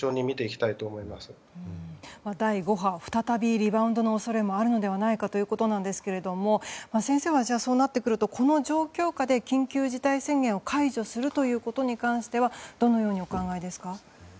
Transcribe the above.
波再びリバウンドの恐れもあるのではないかということですが先生はそうなってくるとこの状況下で緊急事態宣言を解除するということに関してはどのようにお考えですか？